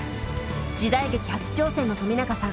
時代劇初挑戦の冨永さん。